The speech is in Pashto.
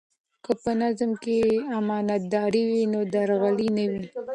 که په نظام کې امانتداري وي نو درغلي نه وي.